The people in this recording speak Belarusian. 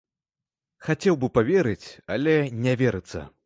Хацеў бы паверыць, але не верыцца.